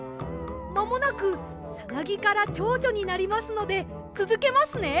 まもなくサナギからチョウチョになりますのでつづけますね。